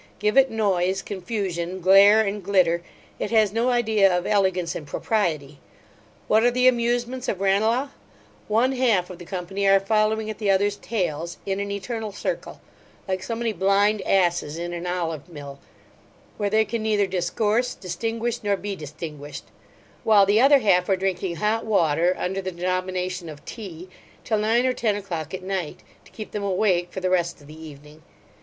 Give it noise, confusion, glare, and glitter; it has no idea of elegance and propriety What are the amusements of Ranelagh? One half of the company are following at the other's tails, in an eternal circle; like so many blind asses in an olive mill, where they can neither discourse, distinguish, nor be distinguished; while the other half are drinking hot water, under the denomination of tea, till nine or ten o'clock at night, to keep them awake for the rest of the evening.